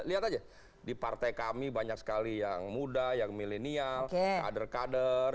lihat aja di partai kami banyak sekali yang muda yang milenial kader kader